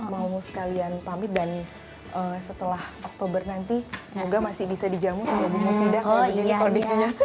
maumu sekalian pamit dan setelah oktober nanti semoga masih bisa dijamu sama bu mufidah kalau begini kondisinya